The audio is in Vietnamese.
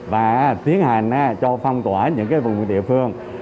và tiến hành cho phong tỏa những vùng địa phương